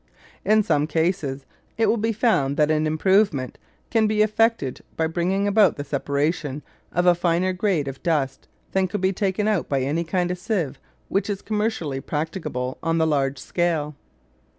In some cases it will be found that an improvement can be effected by bringing about the separation of a finer grade of dust than could be taken out by any kind of sieve which is commercially practicable on the large scale.